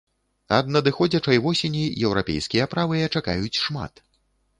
Ад надыходзячай восені еўрапейскія правыя чакаюць шмат.